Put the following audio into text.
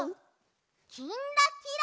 「きんらきら」。